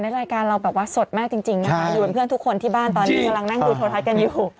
รายการเราแบบว่าสดมากจริงนะคะอยู่เป็นเพื่อนทุกคนที่บ้านตอนนี้กำลังนั่งดูโทรทัศน์กันอยู่